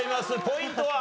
ポイントは？